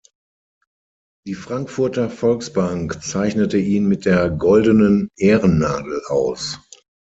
Die Frankfurter Volksbank zeichnete ihn mit der Goldenen Ehrennadel aus.